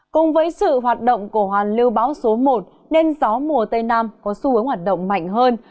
cùng với sự hoạt động của hoàn lưu bão số một nên gió mùa tây nam có xu hướng hoạt động mạnh hơn